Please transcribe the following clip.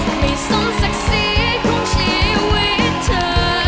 ไม่สมศักดิ์ศรีของชีวิตเธอ